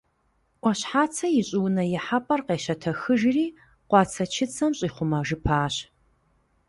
Ӏуащхьацэ и щӀыунэ ихьэпӀэр къещэтэхыжри, къуацэчыцэм щӀихъумэжыпащ.